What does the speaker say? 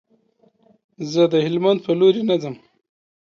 زه د هلمند په لوري نه ځم.